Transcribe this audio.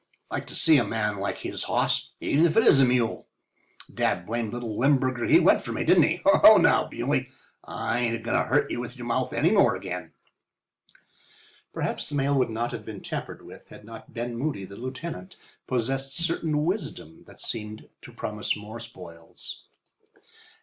I like to see a man like his hoss, even if it is a mule. The dad blamed little Limburger he went for me, didn't he! Whoa, now, muley—I ain't a goin' to hurt your mouth agin any more." Perhaps the mail would not have been tampered with had not Ben Moody, the lieutenant, possessed certain wisdom that seemed to promise more spoils.